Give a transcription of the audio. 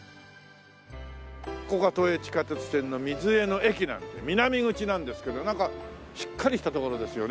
ここが都営地下鉄線の瑞江の駅南口なんですけどなんかしっかりした所ですよね。